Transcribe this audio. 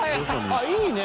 あっいいね！